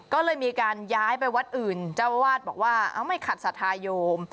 ก็เลยมีการย้ายไปวัดอื่นเจ้าอาวาสบอกว่าไม่ขัดศรัทธาโยม